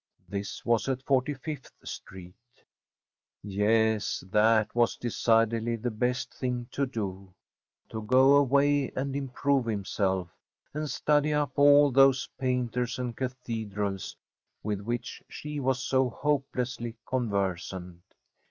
This was at Forty fifth Street. Yes, that was decidedly the best thing to do. To go away and improve himself, and study up all those painters and cathedrals with which she was so hopelessly conversant.